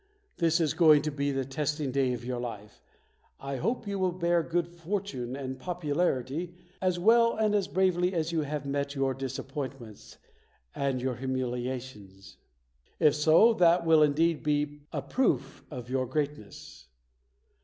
This is going to be the testing day of your life. I hope you will bear good fortune and popularity as well and as bravely as you have met your disappointments and your humiliations. If so, that will indeed be a proof of your greatness".